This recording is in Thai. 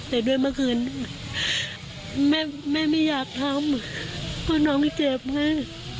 แต่ด้วยเมื่อคืนแม่แม่ไม่อยากทำเพราะน้องเจ็บไง